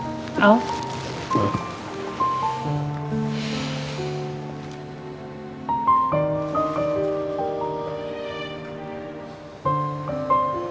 ada apa antara kamu sama andin